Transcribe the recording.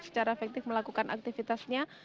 secara efektif melakukan aktivitasnya